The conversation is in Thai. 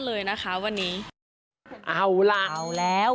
เอาละเอาแล้ว